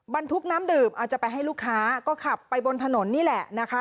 บรรทุกน้ำดื่มอาจจะไปให้ลูกค้าก็ขับไปบนถนนนี่แหละนะคะ